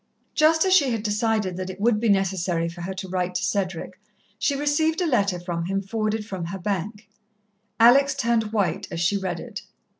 Just as she had decided that it would be necessary for her to write to Cedric, she received a letter from him, forwarded from her bank. Alex turned white as she read it.